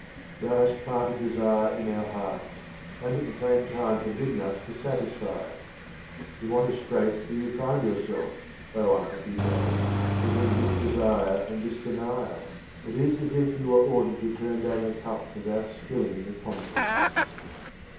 Thou hast planted desire in our hearts, and at the same time forbidden us to satisfy it. In what a strait do you find yourself, O unhappy man, between this desire and this denial ? It 32 QUATRAINS OF OMAR KHAYYAM is as if you were ordered to turn down the cup without spilling the contents.